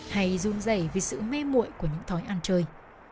hay run dày vì sự mê mụi của những thói ăn chơi